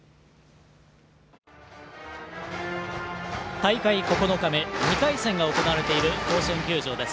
大会９日目２回戦が行われている甲子園球場です。